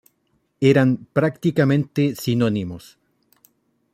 Eran prácticamente sinónimos.